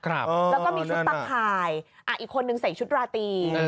แล้วก็มีชุดตะข่ายอีกคนนึงใส่ชุดราตรี